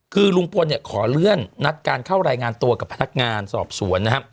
คือลุงพลเนี่ยขอเลื่อนนัดการเข้ารายงานตัวกับพนักงานสอบสวนนะครับ